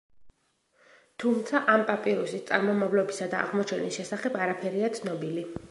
თუმცა ამ პაპირუსის წარმომავლობისა და აღმოჩენის შესახებ არაფერია ცნობილი.